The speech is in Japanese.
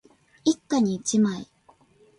一家に一枚